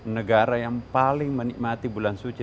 negara yang paling menikmati bulan suci